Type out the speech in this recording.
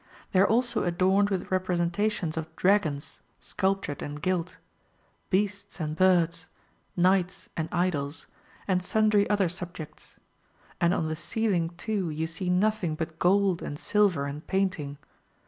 They are also adorned with representations of dragons [sculptured and gilt], ;64 MARCO ruLO Book II. beasts and birds, knights and idols, and sundry other subjects. And on the ceiHng too you see nothing but gold and silver and painting.